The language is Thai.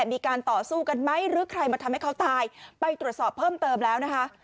มีการต่อสู้กันไหมหรือใครมาทำให้เขาตายไปตรวจสอบเพิ่มเติมแล้วนะคะ